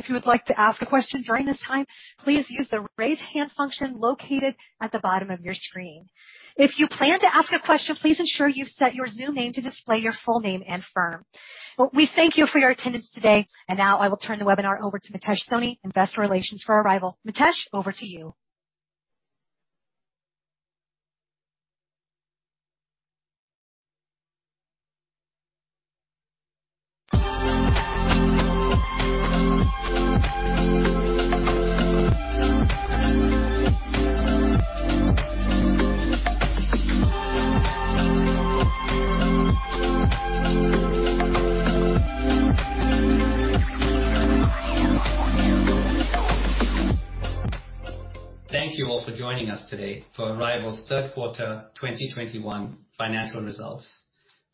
If you would like to ask a question during this time, please use the Raise Hand function located at the bottom of your screen. If you plan to ask a question, please ensure you've set your Zoom name to display your full name and firm. We thank you for your attendance today, and now I will turn the webinar over to Mitesh Soni, Investor Relations for Arrival. Mitesh, over to you. Thank you all for joining us today for Arrival's third quarter 2021 financial results.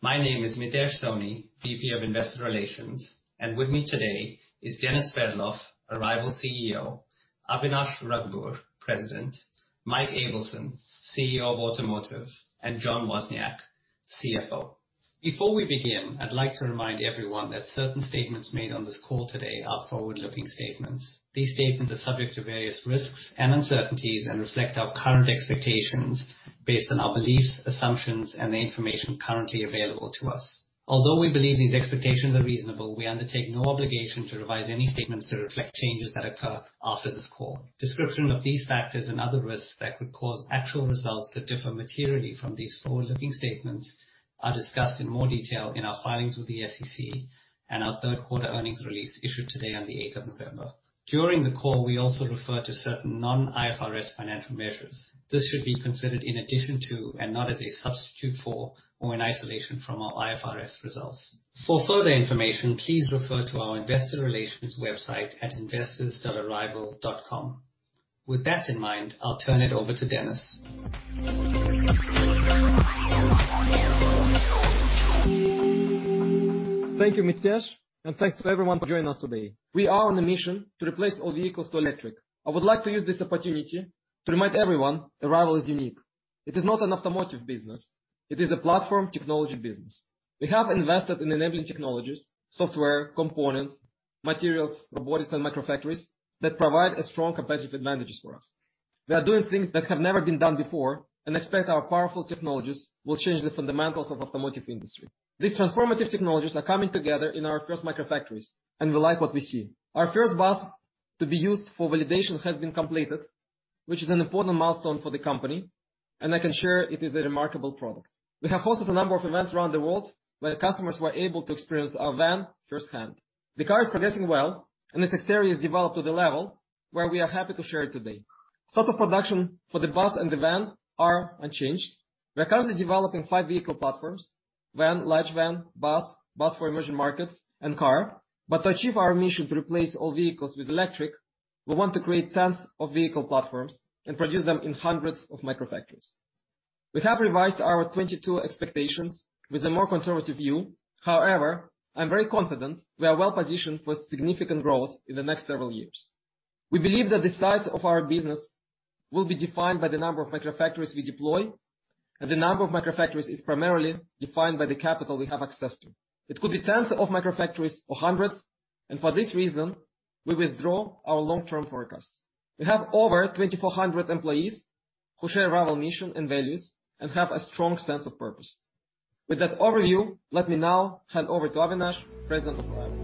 My name is Mitesh Soni, VP of Investor Relations. With me today is Denis Sverdlov, Arrival CEO, Avinash Rugoobur, President, Mike Ableson, CEO of Automotive, and John Wozniak, CFO. Before we begin, I'd like to remind everyone that certain statements made on this call today are forward-looking statements. These statements are subject to various risks and uncertainties and reflect our current expectations based on our beliefs, assumptions, and the information currently available to us. Although we believe these expectations are reasonable, we undertake no obligation to revise any statements that reflect changes that occur after this call. Description of these factors and other risks that could cause actual results to differ materially from these forward-looking statements are discussed in more detail in our filings with the SEC and our third quarter earnings release issued today on the 8th of November. During the call, we also refer to certain non-IFRS financial measures. This should be considered in addition to and not as a substitute for or in isolation from our IFRS results. For further information, please refer to our investor relations website at investors.arrival.com. With that in mind, I'll turn it over to Denis. Thank you, Mitesh, and thanks to everyone for joining us today. We are on a mission to replace all vehicles to electric. I would like to use this opportunity to remind everyone Arrival is unique. It is not an automotive business. It is a platform technology business. We have invested in enabling technologies, software, components, materials, robotics, and Microfactories that provide a strong competitive advantages for us. We are doing things that have never been done before and expect our powerful technologies will change the fundamentals of automotive industry. These transformative technologies are coming together in our first Microfactories, and we like what we see. Our first bus to be used for validation has been completed, which is an important milestone for the company, and I can share it is a remarkable product. We have hosted a number of events around the world where customers were able to experience our van firsthand. The car is progressing well, and its exterior is developed to the level where we are happy to share it today. Start of production for the bus and the van are unchanged. We are currently developing five vehicle platforms: van, large van, bus for emerging markets, and car. To achieve our mission to replace all vehicles with electric, we want to create tens of vehicle platforms and produce them in hundreds of microfactories. We have revised our 2022 expectations with a more conservative view. However, I'm very confident we are well-positioned for significant growth in the next several years. We believe that the size of our business will be defined by the number of Microfactories we deploy, and the number of Microfactories is primarily defined by the capital we have access to. It could be tens of Microfactories or hundreds, and for this reason, we withdraw our long-term forecast. We have over 2,400 employees who share Arrival's mission and values and have a strong sense of purpose. With that overview, let me now hand over to Avinash, President of Arrival.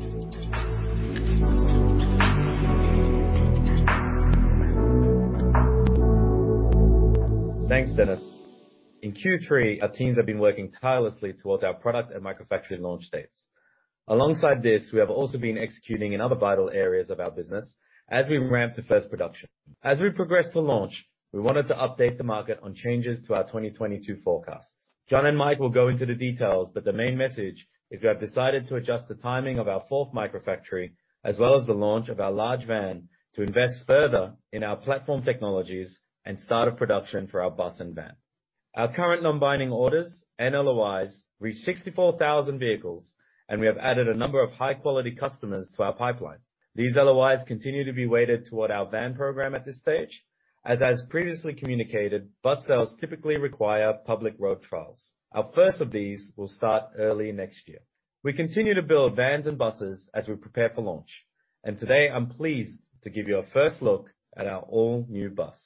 Thanks, Denis. In Q3, our teams have been working tirelessly towards our product and Microfactory launch dates. Alongside this, we have also been executing in other vital areas of our business as we ramp to first production. As we progress to launch, we wanted to update the market on changes to our 2022 forecasts. John and Mike will go into the details, but the main message is we have decided to adjust the timing of our fourth Microfactory, as well as the launch of our large van to invest further in our platform technologies and start a production for our bus and van. Our current non-binding orders, NLOIs, reach 64,000 vehicles, and we have added a number of high quality customers to our pipeline. These LOIs continue to be weighted toward our van program at this stage. As previously communicated, bus sales typically require public road trials. Our first of these will start early next year. We continue to build vans and buses as we prepare for launch. Today, I'm pleased to give you a first look at our all-new bus.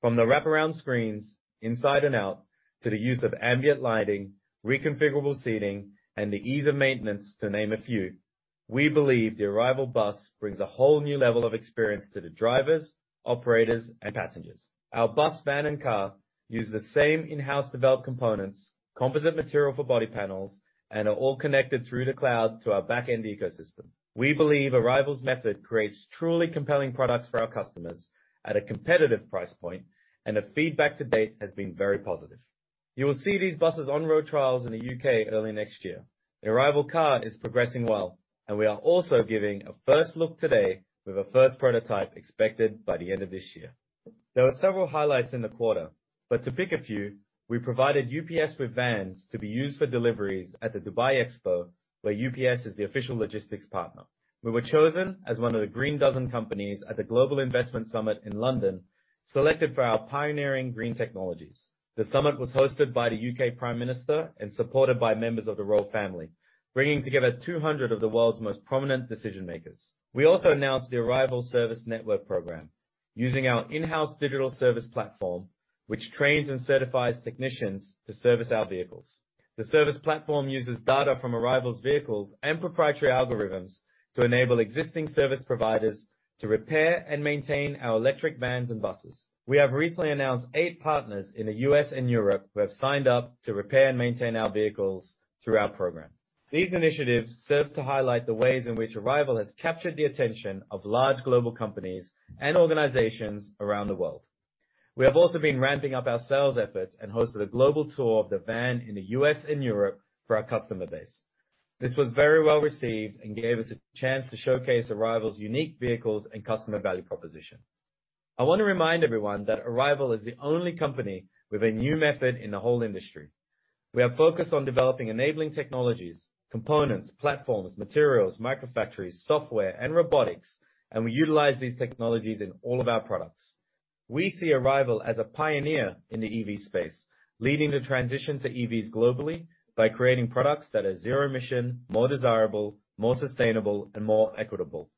From the wraparound screens inside and out to the use of ambient lighting, reconfigurable seating, and the ease of maintenance to name a few, we believe the Arrival bus brings a whole new level of experience to the drivers, operators, and passengers. Our bus, van, and car use the same in-house developed components, composite material for body panels, and are all connected through the cloud to our back-end ecosystem. We believe Arrival's method creates truly compelling products for our customers at a competitive price point, and the feedback to date has been very positive. You will see these buses on-road trials in the U.K. early next year. The Arrival car is progressing well, and we are also giving a first look today with a first prototype expected by the end of this year. There were several highlights in the quarter, but to pick a few, we provided UPS with vans to be used for deliveries at the Dubai Expo, where UPS is the official logistics partner. We were chosen as one of the Green Dozen companies at the Global Investment Summit in London, selected for our pioneering green technologies. The summit was hosted by the U.K. Prime Minister and supported by members of the royal family, bringing together 200 of the world's most prominent decision makers. We also announced the Arrival Service Network Program, using our in-house digital service platform, which trains and certifies technicians to service our vehicles. The service platform uses data from Arrival's vehicles and proprietary algorithms to enable existing service providers to repair and maintain our electric vans and buses. We have recently announced eight partners in the U.S. and Europe who have signed up to repair and maintain our vehicles through our program. These initiatives serve to highlight the ways in which Arrival has captured the attention of large global companies and organizations around the world. We have also been ramping up our sales efforts and hosted a global tour of the van in the U.S. and Europe for our customer base. This was very well received and gave us a chance to showcase Arrival's unique vehicles and customer value proposition. I wanna remind everyone that Arrival is the only company with a new method in the whole industry. We are focused on developing enabling technologies, components, platforms, materials, Microfactories, software, and robotics, and we utilize these technologies in all of our products. We see Arrival as a pioneer in the EV space, leading the transition to EVs globally by creating products that are zero emission, more desirable, more sustainable, and more equitable.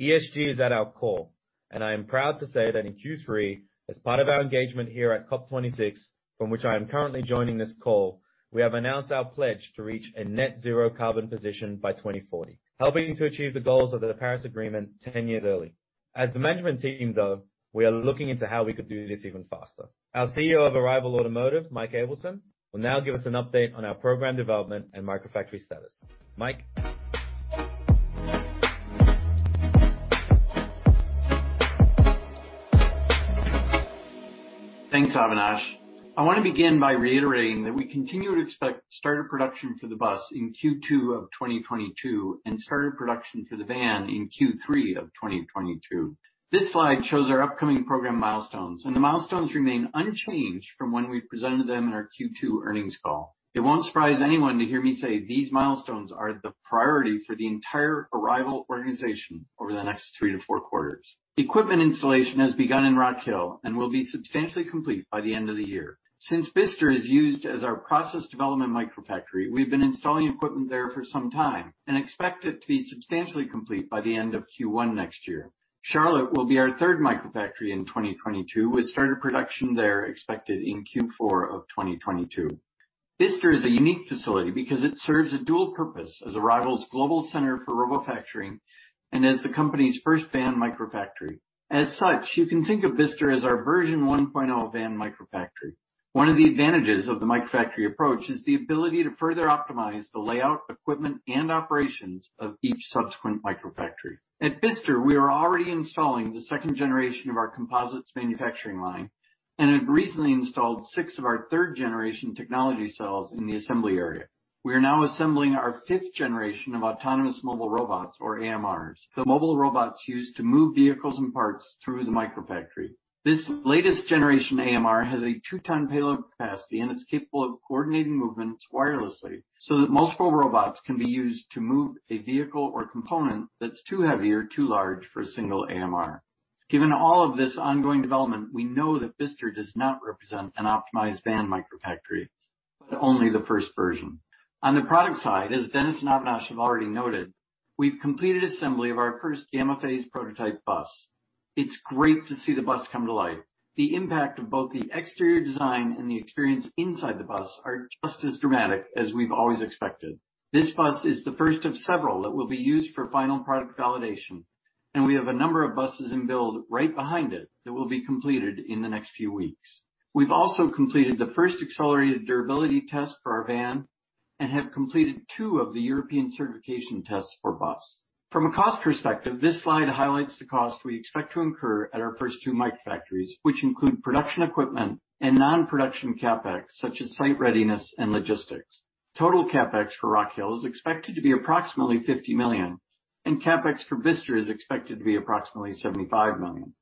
ESG is at our core, and I am proud to say that in Q3, as part of our engagement here at COP26, from which I am currently joining this call, we have announced our pledge to reach a net zero carbon position by 2040, helping to achieve the goals of the Paris Agreement 10 years early. As the management team, though, we are looking into how we could do this even faster. Our CEO of Arrival Automotive, Mike Ableson, will now give us an update on our program development and Microfactory status. Mike? Thanks, Avinash. I wanna begin by reiterating that we continue to expect starter production for the bus in Q2 of 2022, and starter production for the van in Q3 of 2022. This slide shows our upcoming program milestones, and the milestones remain unchanged from when we presented them in our Q2 earnings call. It won't surprise anyone to hear me say these milestones are the priority for the entire Arrival organization over the next three to four quarters. Equipment installation has begun in Rock Hill and will be substantially complete by the end of the year. Since Bicester is used as our process development Microfactory, we've been installing equipment there for some time and expect it to be substantially complete by the end of Q1 next year. Charlotte will be our third Microfactory in 2022, with starter production there expected in Q4 of 2022. Bicester is a unique facility because it serves a dual purpose as Arrival's global center for robofacturing and as the company's first van microfactory. As such, you can think of Bicester as our version 1.0 van microfactory. One of the advantages of the microfactory approach is the ability to further optimize the layout, equipment, and operations of each subsequent microfactory. At Bicester, we are already installing the second generation of our composites manufacturing line and have recently installed six of our third generation technology cells in the assembly area. We are now assembling our fifth generation of autonomous mobile robots, or AMRs, the mobile robots used to move vehicles and parts through the microfactory. This latest generation AMR has a 2-ton payload capacity, and it's capable of coordinating movements wirelessly so that multiple robots can be used to move a vehicle or component that's too heavy or too large for a single AMR. Given all of this ongoing development, we know that Bicester does not represent an optimized van Microfactory, but only the first version. On the product side, as Denis and Avinash have already noted, we've completed assembly of our first gamma phase prototype bus. It's great to see the bus come to life. The impact of both the exterior design and the experience inside the bus are just as dramatic as we've always expected. This bus is the first of several that will be used for final product validation, and we have a number of buses in build right behind it that will be completed in the next few weeks. We've also completed the first accelerated durability test for our van and have completed two of the European certification tests for bus. From a cost perspective, this slide highlights the cost we expect to incur at our first two Microfactories, which include production equipment and non-production Capex, such as site readiness and logistics. Total Capex for Rock Hill is expected to be approximately 50 million, and Capex for Bicester is expected to be approximately 75 million.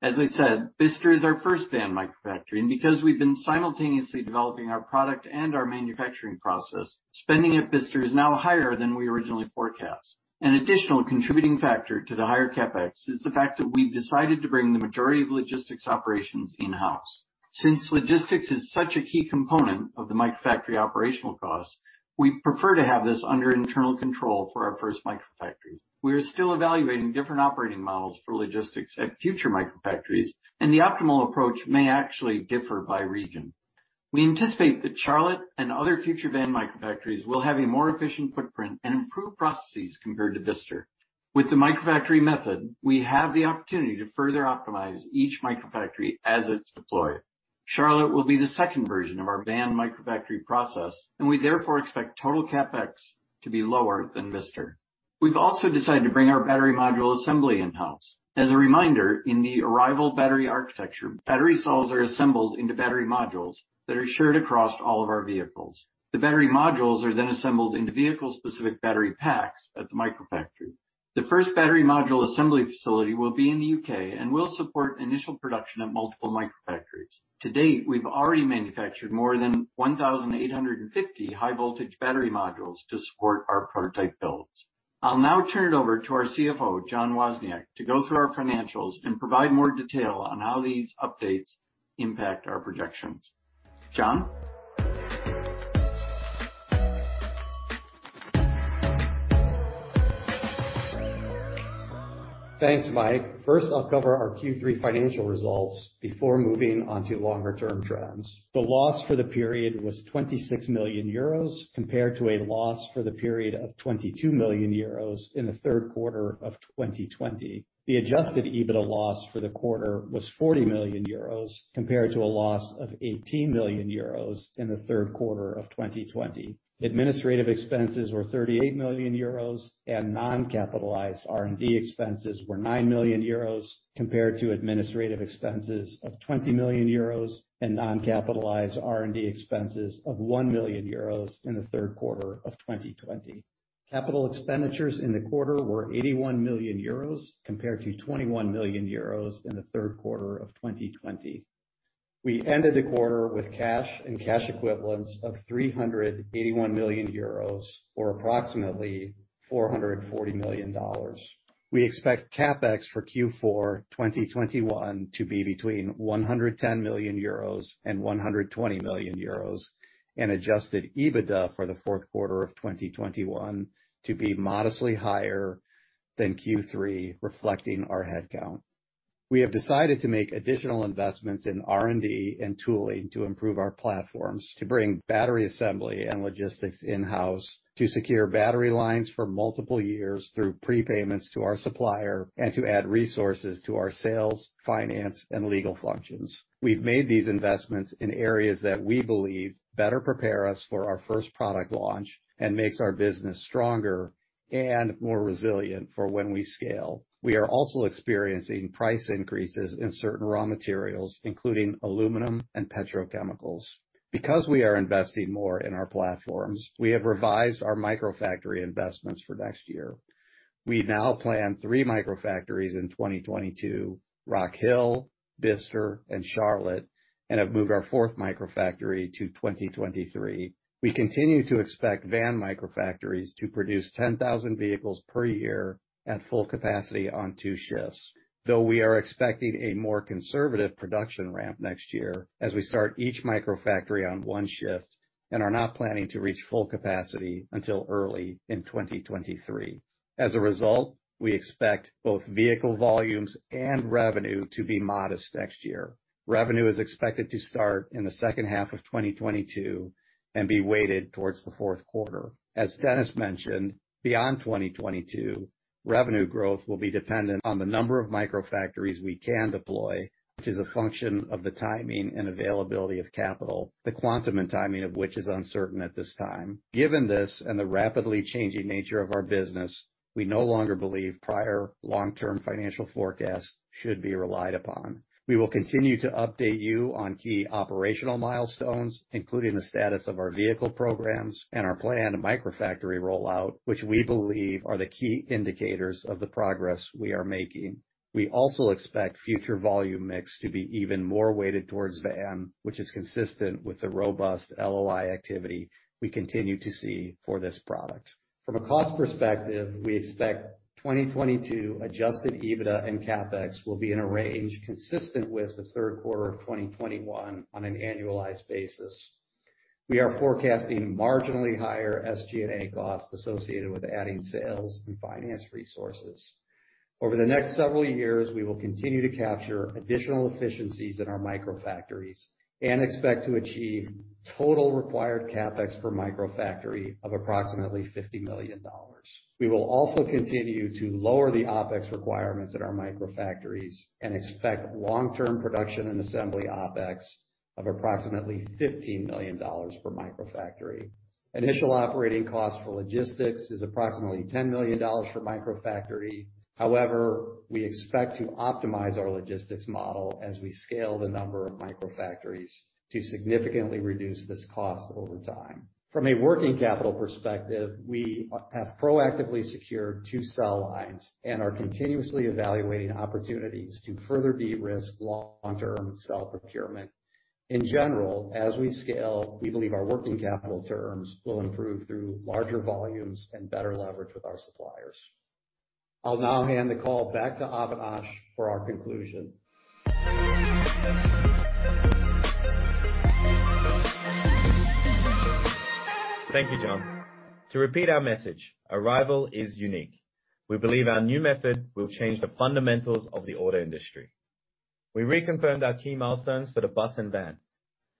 As I said, Bicester is our first van Microfactory, and because we've been simultaneously developing our product and our manufacturing process, spending at Bicester is now higher than we originally forecast. An additional contributing factor to the higher Capex is the fact that we've decided to bring the majority of logistics operations in-house. Since logistics is such a key component of the Microfactory operational cost, we prefer to have this under internal control for our first Microfactory. We are still evaluating different operating models for logistics at future Microfactories, and the optimal approach may actually differ by region. We anticipate that Charlotte and other future van Microfactories will have a more efficient footprint and improved processes compared to Bicester. With the Microfactory method, we have the opportunity to further optimize each Microfactory as it's deployed. Charlotte will be the second version of our van Microfactory process, and we therefore expect total Capex to be lower than Bicester. We've also decided to bring our battery module assembly in-house. As a reminder, in the Arrival battery architecture, battery cells are assembled into battery modules that are shared across all of our vehicles. The battery modules are then assembled into vehicle-specific battery packs at the Microfactory. The first battery module assembly facility will be in the U.K. and will support initial production at multiple Microfactories. To date, we've already manufactured more than 1,850 high voltage battery modules to support our prototype builds. I'll now turn it over to our CFO, John Wozniak, to go through our financials and provide more detail on how these updates impact our projections. John? Thanks, Mike. First, I'll cover our Q3 financial results before moving on to longer term trends. The loss for the period was 26 million euros, compared to a loss for the period of 22 million euros in the third quarter of 2020. The adjusted EBITDA loss for the quarter was 40 million euros, compared to a loss of 18 million euros in the third quarter of 2020. Administrative expenses were 38 million euros, and non-capitalized R&D expenses were 9 million euros, compared to administrative expenses of 20 million euros and non-capitalized R&D expenses of 1 million euros in the third quarter of 2020. Capital expenditures in the quarter were 81 million euros, compared to 21 million euros in the third quarter of 2020. We ended the quarter with cash and cash equivalents of 381 million euros, or approximately $440 million. We expect CapEx for Q4 2021 to be between 110 million euros and 120 million euros, and adjusted EBITDA for the fourth quarter of 2021 to be modestly higher than Q3, reflecting our headcount. We have decided to make additional investments in R&D and tooling to improve our platforms, to bring battery assembly and logistics in-house to secure battery lines for multiple years through prepayments to our supplier, and to add resources to our sales, finance, and legal functions. We've made these investments in areas that we believe better prepare us for our first product launch and makes our business stronger and more resilient for when we scale. We are also experiencing price increases in certain raw materials, including aluminum and petrochemicals. Because we are investing more in our platforms, we have revised our Microfactory investments for next year. We now plan three Microfactories in 2022, Rock Hill, Bicester, and Charlotte, and have moved our fourth Microfactory to 2023. We continue to expect van Microfactories to produce 10,000 vehicles per year at full capacity on 2 shifts. Though we are expecting a more conservative production ramp next year as we start each Microfactory on 1 shift and are not planning to reach full capacity until early in 2023. As a result, we expect both vehicle volumes and revenue to be modest next year. Revenue is expected to start in the second half of 2022 and be weighted towards the fourth quarter. As Denis mentioned, beyond 2022, revenue growth will be dependent on the number of Microfactories we can deploy, which is a function of the timing and availability of capital, the quantum and timing of which is uncertain at this time. Given this and the rapidly changing nature of our business, we no longer believe prior long-term financial forecasts should be relied upon. We will continue to update you on key operational milestones, including the status of our vehicle programs and our planned Microfactory rollout, which we believe are the key indicators of the progress we are making. We also expect future volume mix to be even more weighted towards van, which is consistent with the robust LOI activity we continue to see for this product. From a cost perspective, we expect 2022 adjusted EBITDA and Capex will be in a range consistent with the third quarter of 2021 on an annualized basis. We are forecasting marginally higher SG&A costs associated with adding sales and finance resources. Over the next several years, we will continue to capture additional efficiencies in our Microfactories and expect to achieve total required Capex per Microfactory of approximately $50 million. We will also continue to lower the OpEx requirements at our Microfactories and expect long-term production and assembly OpEx of approximately $15 million per Microfactory. Initial operating costs for logistics is approximately $10 million per Microfactory. However, we expect to optimize our logistics model as we scale the number of Microfactories to significantly reduce this cost over time. From a working capital perspective, we have proactively secured two cell lines and are continuously evaluating opportunities to further de-risk long-term cell procurement. In general, as we scale, we believe our working capital terms will improve through larger volumes and better leverage with our suppliers. I'll now hand the call back to Avinash for our conclusion. Thank you, John. To repeat our message, Arrival is unique. We believe our new method will change the fundamentals of the auto industry. We reconfirmed our key milestones for the bus and van.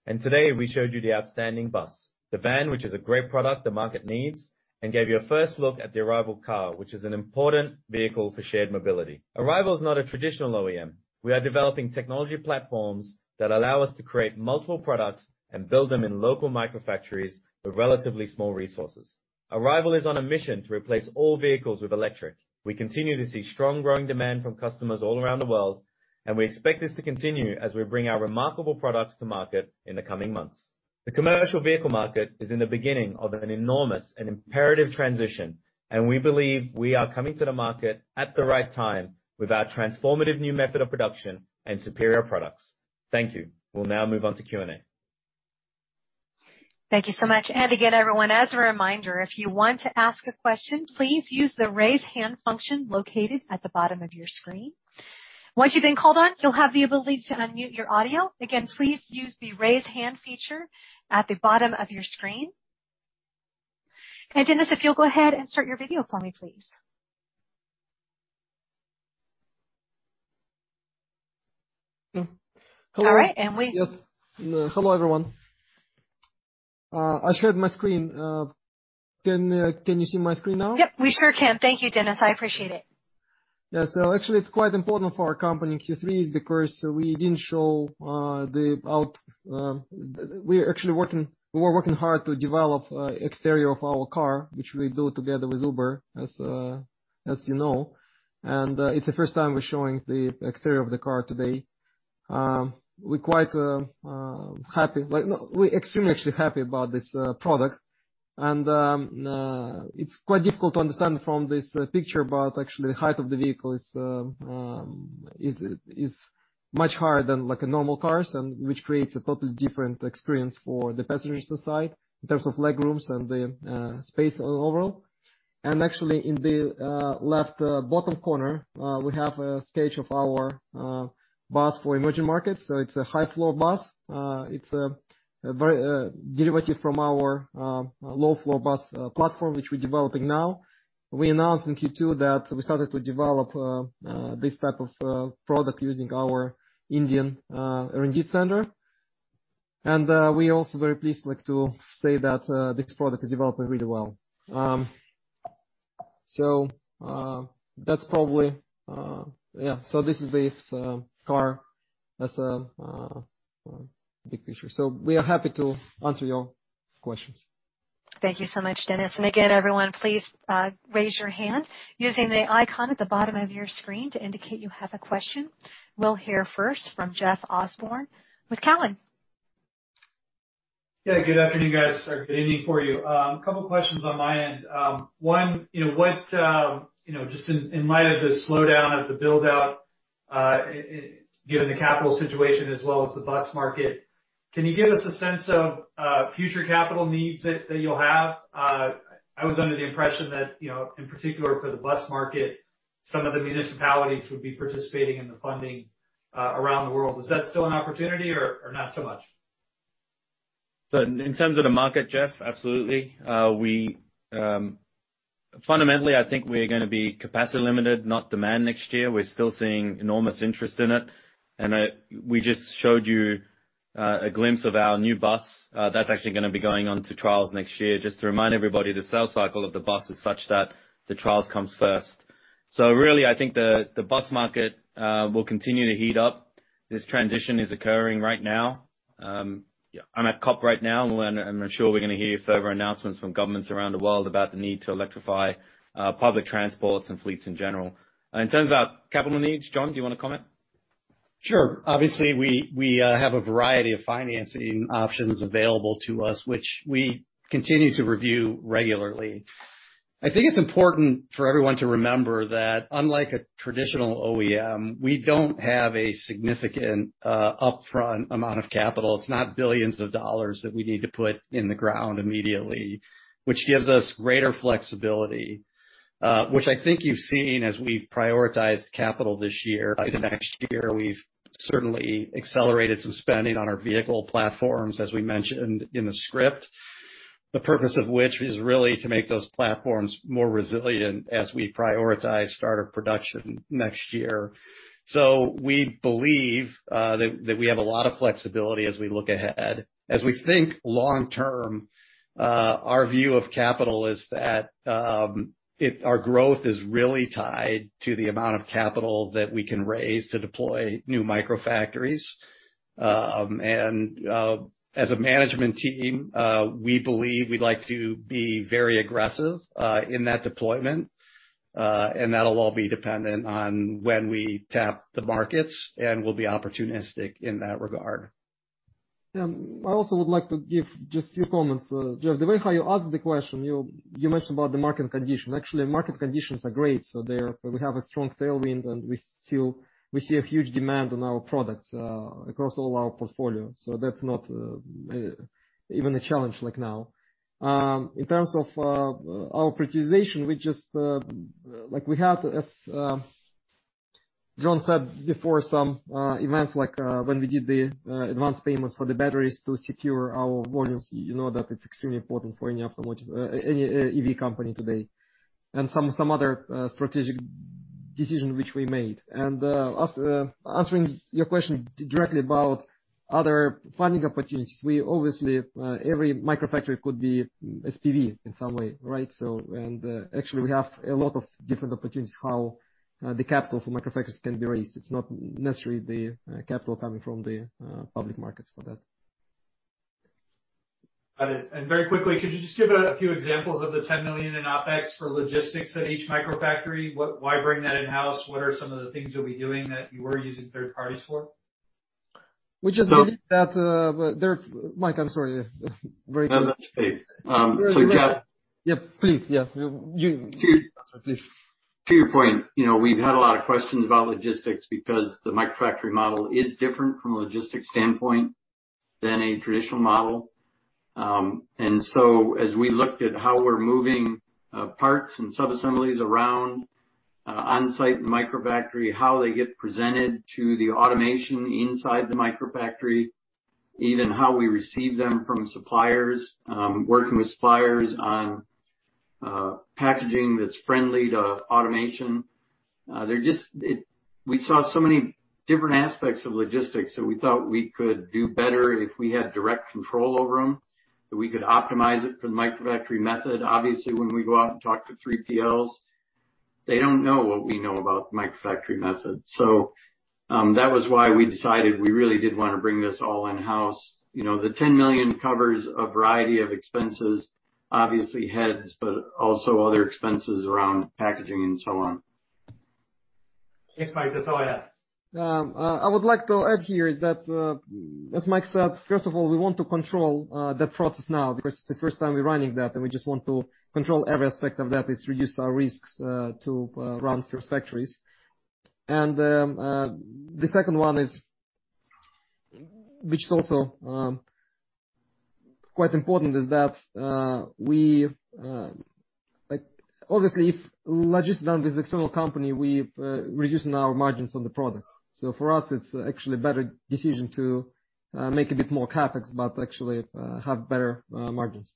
Today, we showed you the outstanding bus, the van, which is a great product the market needs, and gave you a first look at the Arrival car, which is an important vehicle for shared mobility. Arrival is not a traditional OEM. We are developing technology platforms that allow us to create multiple products and build them in local Microfactories with relatively small resources. Arrival is on a mission to replace all vehicles with electric. We continue to see strong growing demand from customers all around the world, and we expect this to continue as we bring our remarkable products to market in the coming months. The commercial vehicle market is in the beginning of an enormous and imperative transition, and we believe we are coming to the market at the right time with our transformative new method of production and superior products. Thank you. We'll now move on to Q&A. Thank you so much. Again, everyone, as a reminder, if you want to ask a question, please use the Raise Hand function located at the bottom of your screen. Once you've been called on, you'll have the ability to unmute your audio. Again, please use the Raise Hand feature at the bottom of your screen. Denis, if you'll go ahead and start your video for me, please. Hello. All right. Yes. Hello, everyone. I shared my screen. Can you see my screen now? Yep, we sure can. Thank you, Denis. I appreciate it. Yeah. Actually it's quite important for our company in Q3 because we didn't show we were working hard to develop exterior of our car, which we built together with Uber as you know, and it's the first time we're showing the exterior of the car today. We quite happy we extremely actually happy about this product. It's quite difficult to understand from this picture, but actually the height of the vehicle is much higher than like a normal cars and which creates a totally different experience for the passengers inside in terms of leg rooms and the space overall. Actually, in the left bottom corner we have a stage of our bus for emerging markets. It's a high floor bus. It's a very derivative from our low floor bus platform, which we're developing now. We announced in Q2 that we started to develop this type of product using our Indian R&D center. We also very pleased like to say that this product is developing really well. This is the S-car. That's the big picture. We are happy to answer your questions. Thank you so much, Denis. Again, everyone, please, raise your hand using the icon at the bottom of your screen to indicate you have a question. We'll hear first from Jeff Osborne with Cowen. Yeah, good afternoon, guys, or good evening for you. Couple of questions on my end. One, you know, just in light of the slowdown of the build-out, given the capital situation as well as the bus market, can you give us a sense of future capital needs that you'll have? I was under the impression that, you know, in particular for the bus market, some of the municipalities would be participating in the funding around the world. Is that still an opportunity or not so much? In terms of the market, Jeff, absolutely, we Fundamentally, I think we are gonna be capacity limited, not demand next year. We're still seeing enormous interest in it. We just showed you a glimpse of our new bus that's actually gonna be going on to trials next year. Just to remind everybody, the sales cycle of the bus is such that the trials comes first. Really, I think the bus market will continue to heat up. This transition is occurring right now. I'm at COP right now, and I'm sure we're gonna hear further announcements from governments around the world about the need to electrify public transport and fleets in general. In terms of our capital needs, John, do you wanna comment? Sure. Obviously, we have a variety of financing options available to us, which we continue to review regularly. I think it's important for everyone to remember that unlike a traditional OEM, we don't have a significant upfront amount of capital. It's not billions of dollars that we need to put in the ground immediately, which gives us greater flexibility, which I think you've seen as we've prioritized capital this year. By the next year, we've certainly accelerated some spending on our vehicle platforms, as we mentioned in the script, the purpose of which is really to make those platforms more resilient as we prioritize starter production next year. We believe that we have a lot of flexibility as we look ahead. As we think long-term, our view of capital is that our growth is really tied to the amount of capital that we can raise to deploy new Microfactories. As a management team, we believe we'd like to be very aggressive in that deployment, and that'll all be dependent on when we tap the markets, and we'll be opportunistic in that regard. I also would like to give just a few comments. Jeff, the way how you asked the question, you mentioned about the market condition. Actually, market conditions are great, so we have a strong tailwind, and we still see a huge demand on our products across all our portfolio. So that's not even a challenge like now. In terms of our prioritization, we just like we have, as John said before, some events like when we did the advanced payments for the batteries to secure our volumes, you know that it's extremely important for any automotive any EV company today, and some other strategic decision which we made. Answering your question directly about other funding opportunities, we obviously every Microfactory could be SPV in some way, right? Actually, we have a lot of different opportunities how the capital for Microfactories can be raised. It's not necessarily the capital coming from the public markets for that. Got it. Very quickly, could you just give a few examples of the 10 million in OpEx for logistics at each Microfactory? Why bring that in-house? What are some of the things you'll be doing that you were using third parties for? We just believe that, Mike. I'm sorry. Very quick. No, that's okay. We've got. Yeah, please. Yeah. You. Please. To your point, you know, we've had a lot of questions about logistics because the Microfactory model is different from a logistics standpoint than a traditional model. As we looked at how we're moving parts and sub-assemblies around on-site Microfactory, how they get presented to the automation inside the Microfactory, even how we receive them from suppliers, working with suppliers on packaging that's friendly to automation, we saw so many different aspects of logistics that we thought we could do better if we had direct control over them, that we could optimize it for the Microfactory method. Obviously, when we go out and talk to 3PLs, they don't know what we know about Microfactory method. That was why we decided we really did wanna bring this all in-house. You know, the $10 million covers a variety of expenses, obviously heads, but also other expenses around packaging and so on. Thanks, Mike. That's all I have. I would like to add here is that, as Mike said, first of all, we want to control that process now because it's the first time we're running that, and we just want to control every aspect of that. It's reduced our risks to run through factories. The second one is, which is also quite important, is that we like, obviously, if logistics done with external company, we've reducing our margins on the product. For us, it's actually a better decision to make a bit more Capex, but actually have better margins.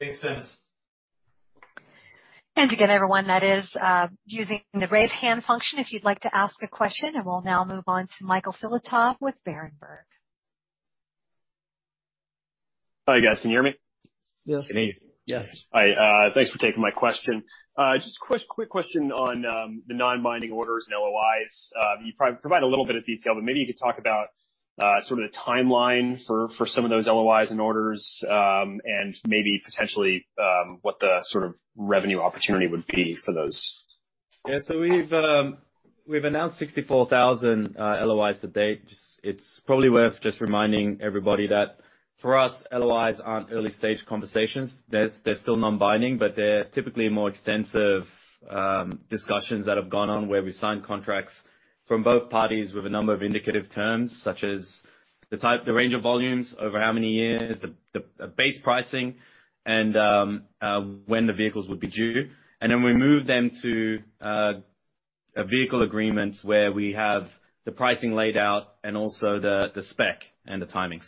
Makes sense. Again, everyone, that is using the raise hand function if you'd like to ask a question. We'll now move on to Michael Filatov with Berenberg. Hi, guys. Can you hear me? Yes. We can hear you. Yes. Hi. Thanks for taking my question. Just quick question on the non-binding orders and LOIs. You provided a little bit of detail, but maybe you could talk about sort of the timeline for some of those LOIs and orders, and maybe potentially what the sort of revenue opportunity would be for those. Yeah. We've announced 64,000 LOIs to date. It's probably worth just reminding everybody that for us, LOIs aren't early stage conversations. They're still non-binding, but they're typically more extensive discussions that have gone on where we sign contracts from both parties with a number of indicative terms, such as the type, the range of volumes over how many years, the base pricing and when the vehicles would be due. Then we move them to a vehicle agreement where we have the pricing laid out and also the spec and the timing.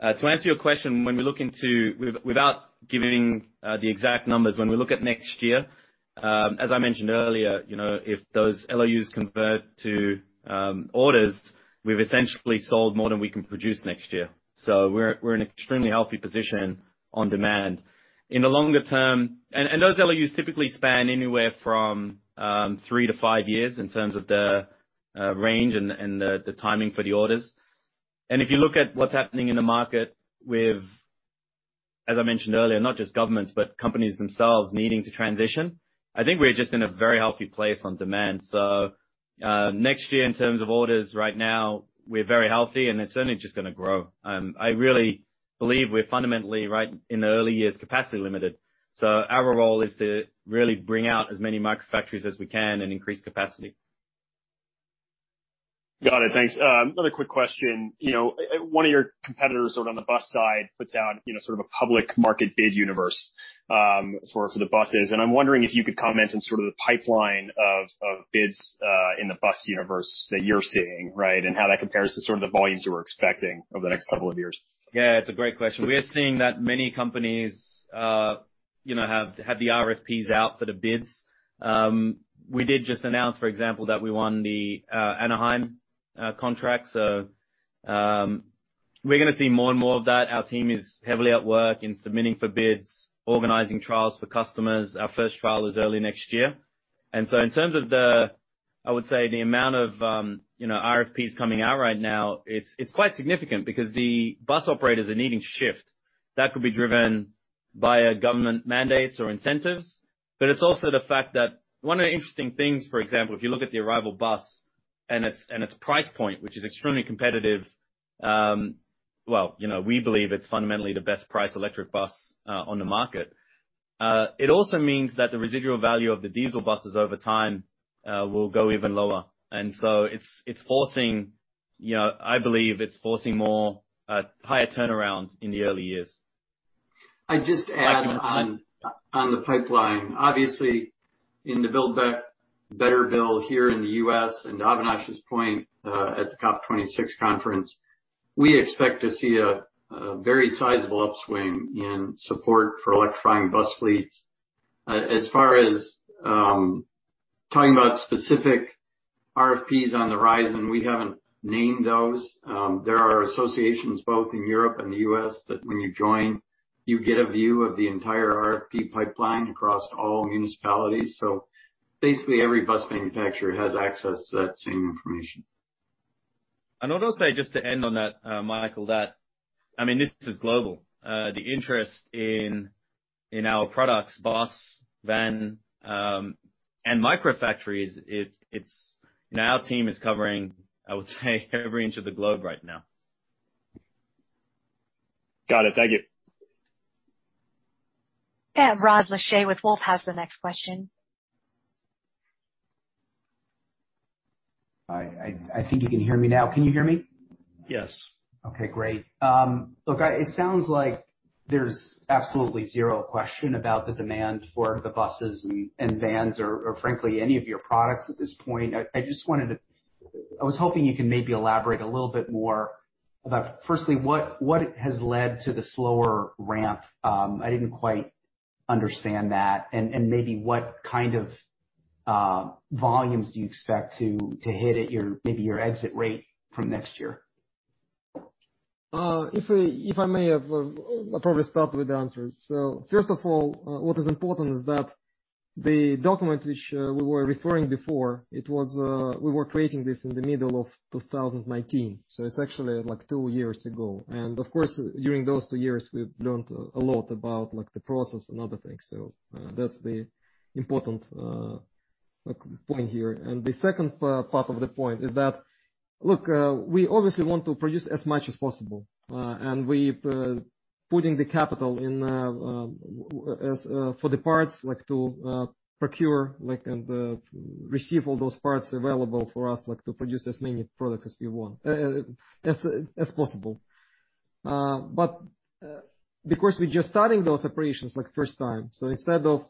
To answer your question, without giving the exact numbers, when we look at next year, as I mentioned earlier, you know, if those LOIs convert to orders, we've essentially sold more than we can produce next year. We're in an extremely healthy position on demand. In the longer term, those LOIs typically span anywhere from three to five years in terms of the range and the timing for the orders. If you look at what's happening in the market with, as I mentioned earlier, not just governments, but companies themselves needing to transition, I think we're just in a very healthy place on demand. Next year in terms of orders right now, we're very healthy, and it's only just gonna grow. I really believe we're fundamentally right. In the early years capacity limited. Our role is to really bring out as many Microfactories as we can and increase capacity. Got it. Thanks. Another quick question. You know, one of your competitors sort of on the bus side puts out, you know, sort of a public market bid universe for the buses, and I'm wondering if you could comment on sort of the pipeline of bids in the bus universe that you're seeing, right, and how that compares to sort of the volumes you were expecting over the next couple of years. Yeah, it's a great question. We are seeing that many companies have the RFPs out for the bids. We did just announce, for example, that we won the Anaheim contract. We're gonna see more and more of that. Our team is heavily at work in submitting for bids, organizing trials for customers. Our first trial is early next year. In terms of the, I would say the amount of RFPs coming out right now, it's quite significant because the bus operators are needing shift. That could be driven via government mandates or incentives. It's also the fact that one of the interesting things, for example, if you look at the Arrival bus and its price point, which is extremely competitive, well, you know, we believe it's fundamentally the best priced electric bus on the market. It also means that the residual value of the diesel buses over time will go even lower. It's forcing, you know, I believe it's forcing more higher turnaround in the early years. I'd just add on the pipeline, obviously in the Build Back Better bill here in the U.S., and Avinash's point, at the COP26 conference, we expect to see a very sizable upswing in support for electrifying bus fleets. As far as talking about specific RFPs on the horizon, we haven't named those. There are associations both in Europe and the U.S. that when you join- You get a view of the entire RFP pipeline across all municipalities. Basically every bus manufacturer has access to that same information. What I'll say just to end on that, Michael, I mean, this is global. The interest in our products, bus, van, and Microfactory. Our team is covering, I would say, every inch of the globe right now. Got it. Thank you. Yeah. Rod Lache with Wolfe Research has the next question. I think you can hear me now. Can you hear me? Yes. Okay, great. Look, it sounds like there's absolutely zero question about the demand for the buses and vans or frankly any of your products at this point. I was hoping you can maybe elaborate a little bit more about firstly, what has led to the slower ramp? I didn't quite understand that. Maybe what kind of volumes do you expect to hit at your maybe your exit rate from next year? If I may, I'll probably start with the answer. First of all, what is important is that the document which we were referring to before was created in the middle of 2019, so it's actually like two years ago. Of course, during those two years we've learned a lot about like the process and other things. That's the important like point here. The second part of the point is that, look, we obviously want to produce as much as possible. We've putting the capital in, as for the parts like to procure like, and receive all those parts available for us, like to produce as many products as we want, as possible. Because we're just starting those operations like first time. Instead of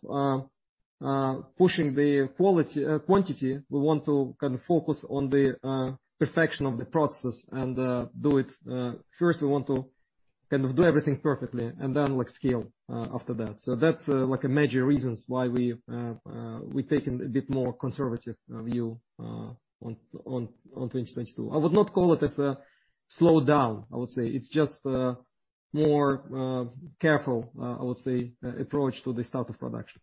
pushing the quality, quantity, we want to kind of focus on the perfection of the process and do it first. We want to kind of do everything perfectly and then like scale after that. That's like a major reasons why we've taken a bit more conservative view on 2022. I would not call it as a slowdown. I would say it's just more careful, I would say, approach to the start of production.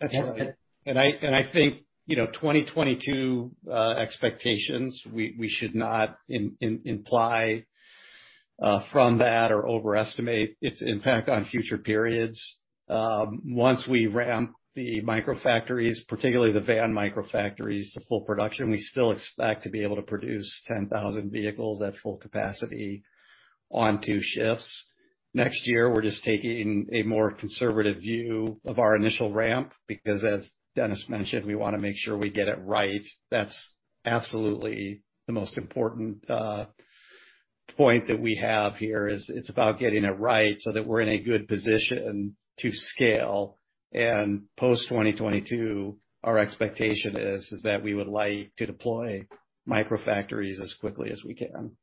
That's right. I think, you know, 2022 expectations, we should not imply from that or overestimate its impact on future periods. Once we ramp the Microfactories, particularly the van Microfactories to full production, we still expect to be able to produce 10,000 vehicles at full capacity on two shifts. Next year we're just taking a more conservative view of our initial ramp because as Denis mentioned, we wanna make sure we get it right. That's absolutely the most important point that we have here is it's about getting it right so that we're in a good position to scale. Post 2022, our expectation is that we would like to deploy Microfactories as quickly as we can.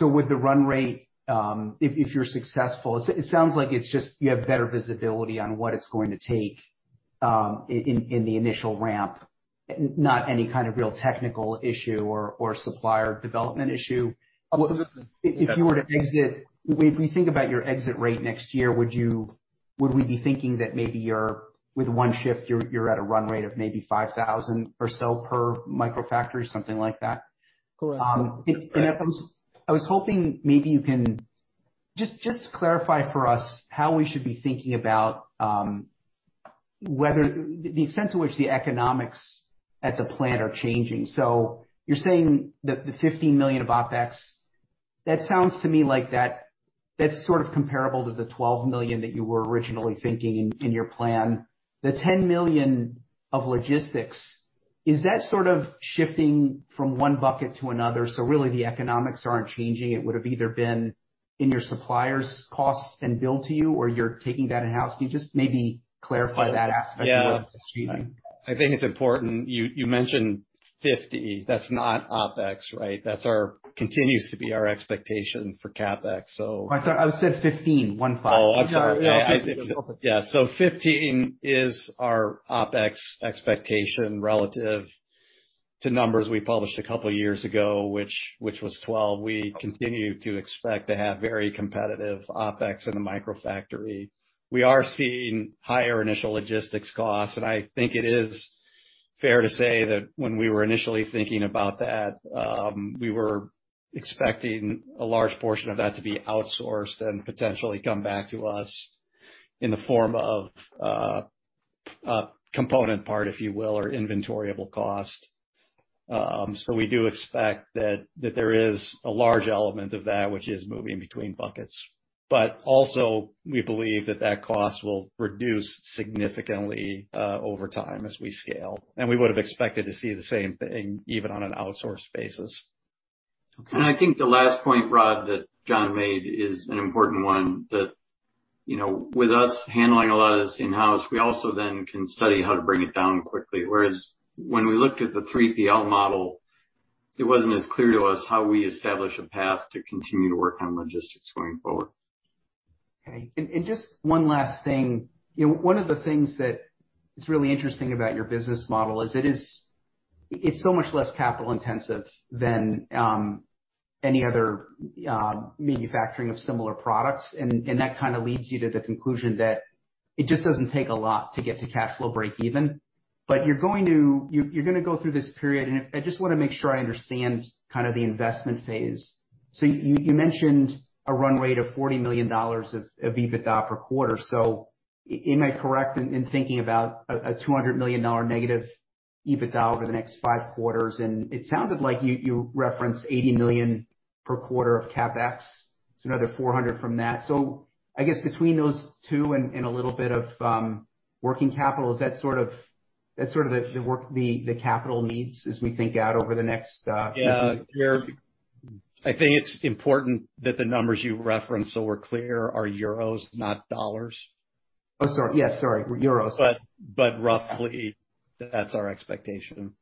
With the run rate, if you're successful, it sounds like it's just that you have better visibility on what it's going to take, in the initial ramp, not any kind of real technical issue or supplier development issue. Absolutely. If we think about your exit rate next year, would we be thinking that maybe you're with one shift, you're at a run rate of maybe 5,000 or so per Microfactory, something like that? Correct. I was hoping maybe you can just clarify for us how we should be thinking about whether the extent to which the economics at the plant are changing. You're saying that the $15 million of OpEx sounds to me like that's sort of comparable to the $12 million that you were originally thinking in your plan. The $10 million of logistics, is that sort of shifting from one bucket to another, so really the economics aren't changing? It would have either been in your suppliers costs and billed to you or you're taking that in-house. Can you just maybe clarify that aspect of what you're achieving? Yeah. I think it's important. You mentioned 50, that's not OpEx, right? That continues to be our expectation for Capex, so. I thought I said 15. One five. Oh, I'm sorry. Yeah. No. Yeah. Fifteen is our OpEx expectation relative to numbers we published a couple of years ago, which was twelve. We continue to expect to have very competitive OpEx in the Microfactory. We are seeing higher initial logistics costs, and I think it is fair to say that when we were initially thinking about that, we were expecting a large portion of that to be outsourced and potentially come back to us in the form of a component part, if you will, or inventoriable cost. We do expect that there is a large element of that which is moving between buckets. Also we believe that that cost will reduce significantly over time as we scale, and we would have expected to see the same thing even on an outsourced basis. Okay. I think the last point, Rod, that John made is an important one, that, you know, with us handling a lot of this in-house, we also then can study how to bring it down quickly. Whereas when we looked at the 3PL model, it wasn't as clear to us how we establish a path to continue to work on logistics going forward. Okay. Just one last thing. You know, one of the things that is really interesting about your business model is it is. It's so much less capital intensive than any other manufacturing of similar products. That kind of leads you to the conclusion that it just doesn't take a lot to get to cash flow break even. You're gonna go through this period, and I just wanna make sure I understand kind of the investment phase. You mentioned a runway to $40 million of EBITDA per quarter. Am I correct in thinking about a $200 million negative EBITDA over the next five quarters? It sounded like you referenced $80 million per quarter of Capex, so another $400 million from that. I guess between those two and a little bit of working capital, is that sort of the capital needs as we think about over the next five years? Yeah. Here, I think it's important that the numbers you referenced, so we're clear, are euros, not dollars. Oh, sorry. Yes, sorry. Euros. Roughly that's our expectation.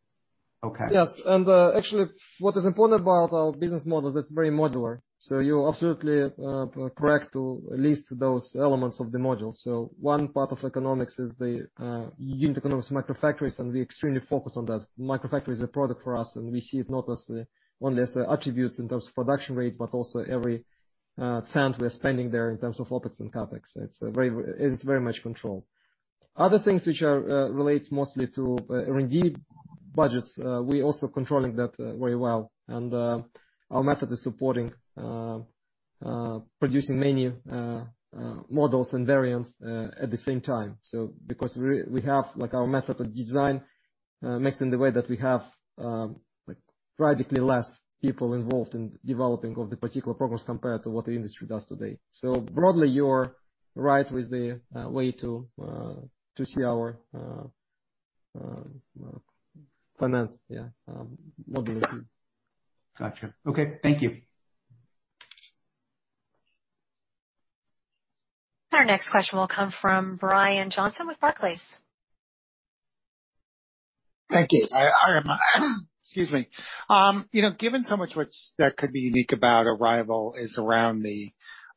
Okay. Yes. Actually what is important about our business model is it's very modular. You're absolutely correct to list those elements of the module. One part of economics is the unit economics Microfactories, and we extremely focus on that. Microfactory is a product for us, and we see it not only as the attributes in terms of production rates, but also every cent we are spending there in terms of OpEx and Capex. It is very much controlled. Other things which relates mostly to R&D budgets, we're also controlling that very well. Our method is supporting producing many models and variants at the same time. Because we have like our method of design makes it in the way that we have like radically less people involved in developing of the particular progress compared to what the industry does today. Broadly, you're right with the way to see our finance yeah model. Gotcha. Okay. Thank you. Our next question will come from Brian Johnson with Barclays. Thank you. You know, given so much that could be unique about Arrival is around the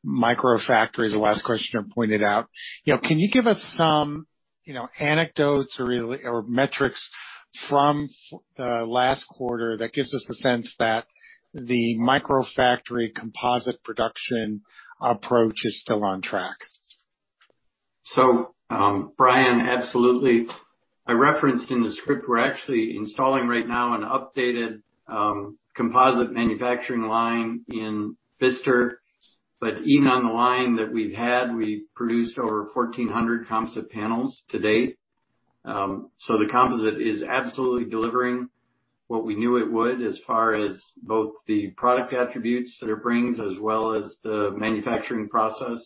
Microfactories, the last questioner pointed out, you know, can you give us some, you know, anecdotes or metrics from the last quarter that gives us the sense that the Microfactory composite production approach is still on track? Brian, absolutely. I referenced in the script, we're actually installing right now an updated composite manufacturing line in Bicester. Even on the line that we've had, we've produced over 1,400 composite panels to date. The composite is absolutely delivering what we knew it would as far as both the product attributes that it brings as well as the manufacturing process.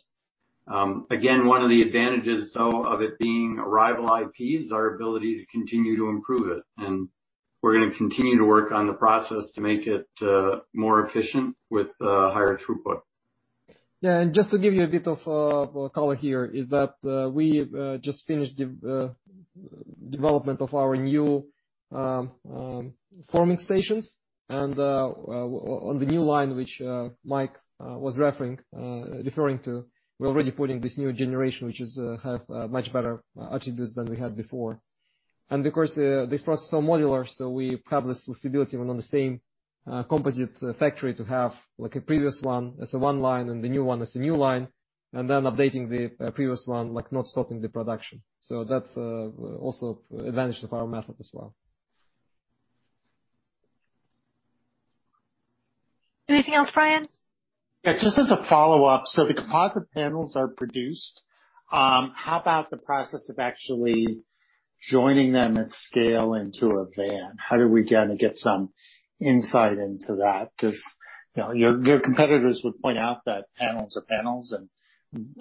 Again, one of the advantages, though, of it being Arrival IP is our ability to continue to improve it. We're gonna continue to work on the process to make it more efficient with higher throughput. Yeah. Just to give you a bit of color here, is that we just finished development of our new forming stations. On the new line which Mike was referring to, we're already putting this new generation, which have much better attributes than we had before. Of course, this process are modular, so we have this flexibility even on the same composite factory to have like a previous one as one line and the new one as a new line, and then updating the previous one, like not stopping the production. That's also advantage of our method as well. Anything else, Brian? Yeah. Just as a follow-up. So the composite panels are produced. How about the process of actually joining them at scale into a van? How do we kinda get some insight into that? 'Cause, you know, your competitors would point out that panels are panels and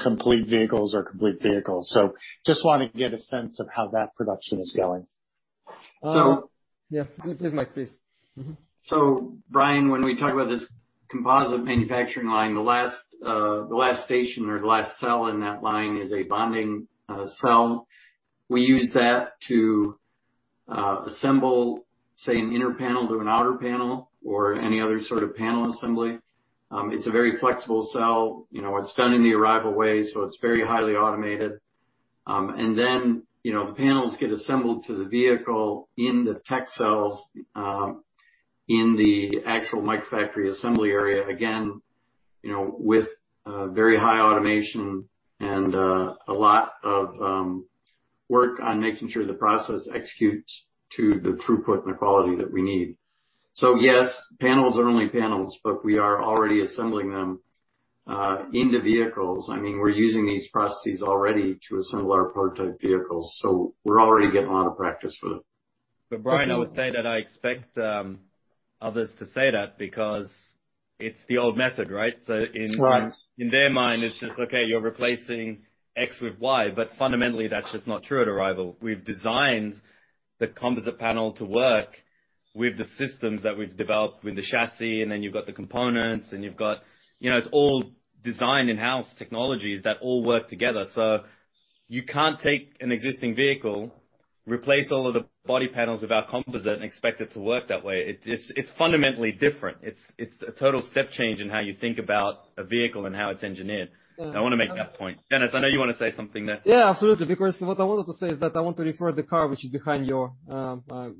complete vehicles are complete vehicles. So just wanna get a sense of how that production is going. Um. So. Yeah. Please, Mike, please. Mm-hmm. Brian, when we talk about this composite manufacturing line, the last station or the last cell in that line is a bonding cell. We use that to assemble, say, an inner panel to an outer panel or any other sort of panel assembly. It's a very flexible cell. You know, it's done in the Arrival way, so it's very highly automated. And then, you know, the panels get assembled to the vehicle in the tech cells, in the actual Microfactory assembly area. Again, you know, with very high automation and a lot of work on making sure the process executes to the throughput and the quality that we need. Yes, panels are only panels, but we are already assembling them into vehicles. I mean, we're using these processes already to assemble our prototype vehicles, so we're already getting a lot of practice for them. Brian, I would say that I expect others to say that because it's the old method, right? That's right. In their mind, it's just, okay, you're replacing X with Y. Fundamentally, that's just not true at Arrival. We've designed the composite panel to work with the systems that we've developed with the chassis, and then you've got the components, and you've got, you know, it's all designed in-house technologies that all work together. You can't take an existing vehicle, replace all of the body panels with our composite, and expect it to work that way. It just, it's fundamentally different. It's a total step change in how you think about a vehicle and how it's engineered. Yeah. I wanna make that point. Denis, I know you wanna say something there. Yeah, absolutely. Because what I wanted to say is that I want to refer to the car which is behind you, that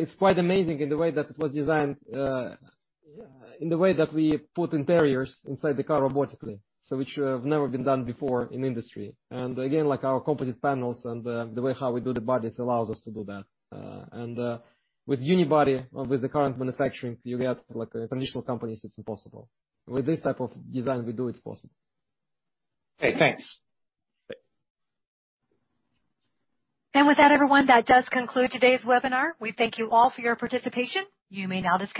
it's quite amazing in the way that it was designed, in the way that we put interiors inside the car robotically. Which have never been done before in industry. Again, like our composite panels and the way how we do the bodies allows us to do that. With unibody or with the current manufacturing, you get like traditional companies, it's impossible. With this type of design we do, it's possible. Okay, thanks. Okay. With that, everyone, that does conclude today's webinar. We thank you all for your participation. You may now disconnect.